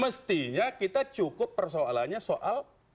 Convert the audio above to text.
mestinya kita cukup persoalannya soal